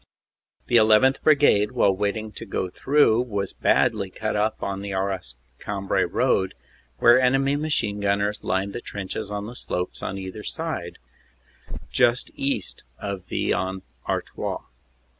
The 1 1th. Brigade, while waiting to go through, was badly cut up on the Arras Cambrai road, where enemy machine gun ners lined the trenches on the slopes on either hand, just east of Vis en Artois.